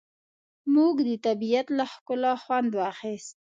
موږ د طبیعت له ښکلا خوند واخیست.